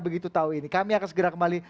begitu tahu ini kami akan segera kembali